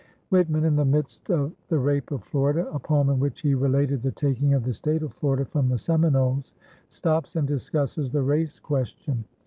Whitman, in the midst of "The Rape of Florida," a poem in which he related the taking of the State of Florida from the Seminoles, stops and discusses the race question.